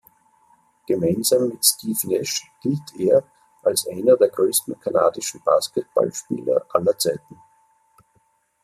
Gemeinsam mit Steve Nash gilt er als einer der größten kanadischen Basketballspieler aller Zeiten.